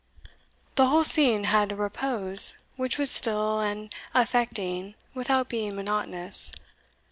The whole scene had a repose, which was still and affecting without being monotonous.